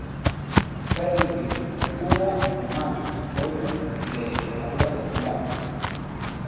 Quero dicir, que procura un formato, supoño, de literatura popular.